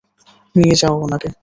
নিয়ে যাও ওনাকে।